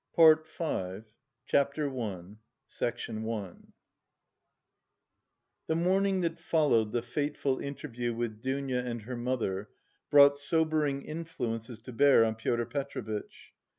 PART V CHAPTER I The morning that followed the fateful interview with Dounia and her mother brought sobering influences to bear on Pyotr Petrovitch.